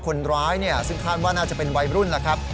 คนร้ายซึ่งคาดว่าน่าจะเป็นวัยรุ่นแล้วครับ